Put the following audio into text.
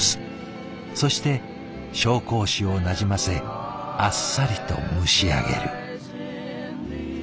そして紹興酒をなじませあっさりと蒸し上げる。